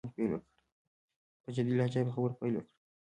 په جدي لهجه يې په خبرو باندې پيل وکړ.